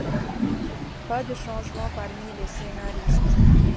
Pas de changement parmi les scénaristes.